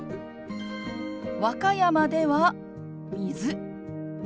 和歌山では「水」。